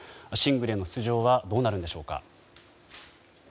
シングルへの出場はどうなるのでしょうか。